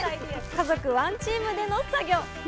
家族ワンチームでの作業。